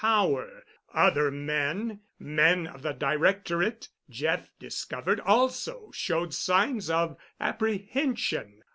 Other men, men of the directorate, Jeff discovered, also showed signs of apprehension.